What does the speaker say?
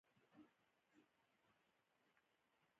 کورمه او بوڼ فرق نه لري